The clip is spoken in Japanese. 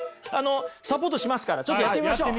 サポートしますからちょっとやってみましょう。